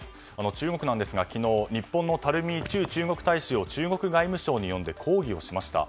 中国なんですが、昨日、日本の垂駐中国大使を中国外務省に呼んで抗議をしました。